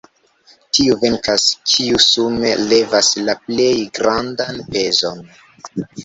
Tiu venkas, kiu sume levas la plej grandan pezon.